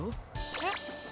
えっ？